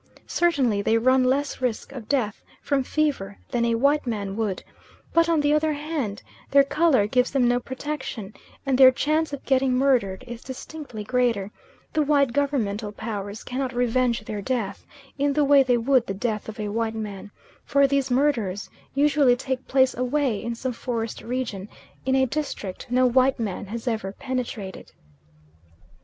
Certainly they run less risk of death from fever than a white man would; but, on the other hand, their colour gives them no protection; and their chance of getting murdered is distinctly greater, the white governmental powers cannot revenge their death, in the way they would the death of a white man, for these murders usually take place away in some forest region, in a district no white man has ever penetrated.